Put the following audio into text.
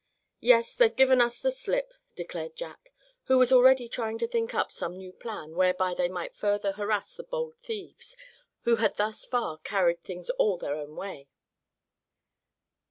"Yes, they've given us the slip!" declared Jack, who was already trying to think up some new plan whereby they might further harrass the bold thieves who had thus far carried things all their own way.